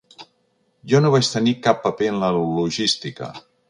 Jo no vaig tenir cap paper en la logística.